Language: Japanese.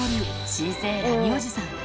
新生ラミおじさん。